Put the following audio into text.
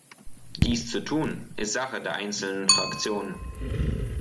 Dies zu tun, ist Sache der einzelnen Fraktionen.